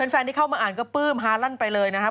แฟนที่เข้ามาอ่านก็ปลื้มฮาลั่นไปเลยนะครับ